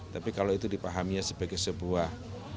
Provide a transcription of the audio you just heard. tapi kalau itu dipahaminya sebagai sebuah